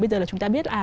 bây giờ là chúng ta biết